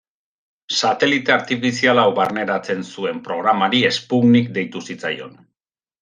Satelite artifizial hau barneratzen zuen programari Sputnik deitu zitzaion.